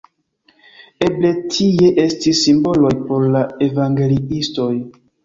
Eble tie estis simboloj por la evangeliistoj.